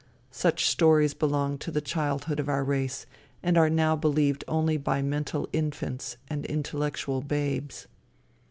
Such stories belong to the childhood of our race, and are now believed only by mental infants and intellectual babes.